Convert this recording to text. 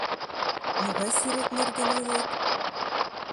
— Могай сӱрет нерген ойлет?